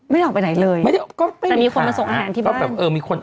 ไม่ออกไปไหนเลยแต่มีคนมาส่งอาหารที่บ้าน